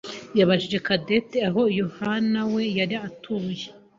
yabajije Cadette aho Yohanawe yari atuye.